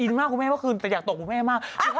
อินทร์มากคุณแม่ถ้าคือแต่อยากโต่งแม่มาก